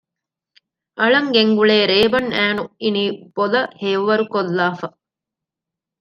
އަޅަން ގެންގުޅޭ ރޭބަން އައިނު އިނީ ބޮލަށް ހެޔޮވަރުކޮށްލާފަ